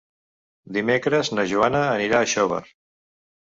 Dimecres na Joana anirà a Xóvar.